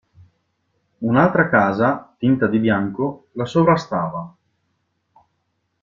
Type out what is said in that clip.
Un'altra casa, tinta di bianco, la sovrastava.